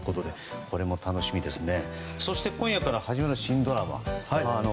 これも楽しみですね。